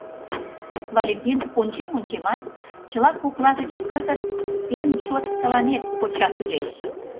Валентин, ончем-ончемат, чыла кокла гыч кызыт эн чот тыланет коча кӱлеш.